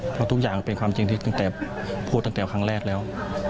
เพราะทุกอย่างเป็นความจริงที่ตั้งแต่พูดตั้งแต่ครั้งแรกแล้ว